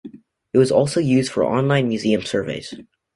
It was also used for online museum surveys.